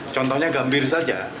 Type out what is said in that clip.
contohnya gambir saja